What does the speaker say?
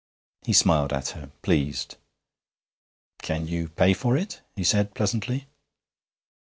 He smiled at her, pleased. 'Can you pay for it?' he said pleasantly.